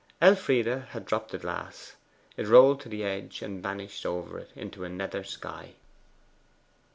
Elfride had dropped the glass; it rolled to the edge and vanished over it into a nether sky.